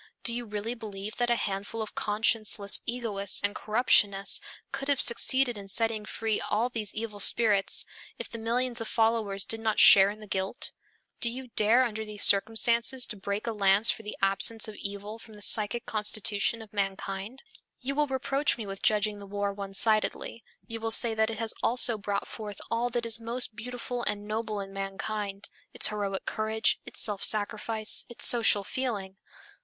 Do you really believe that a handful of conscienceless egoists and corruptionists could have succeeded in setting free all these evil spirits, if the millions of followers did not share in the guilt? Do you dare under these circumstances to break a lance for the absence of evil from the psychic constitution of mankind? You will reproach me with judging the war one sidedly, you will say that it has also brought forth all that is most beautiful and noble in mankind, its heroic courage, its self sacrifice, its social feeling.